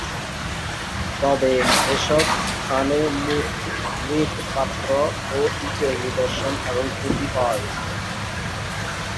তবে এসব স্থানে মৃৎপাত্র ও ইটের নিদর্শন এবং পুঁতি পাওয়া গেছে।